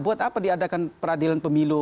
buat apa diadakan peradilan pemilu